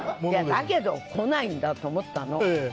だけど、来ないんだと思ったの。